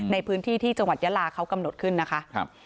ในพื้นที่ที่จังหวัดยาลาเขากำหนดขึ้นนะคะ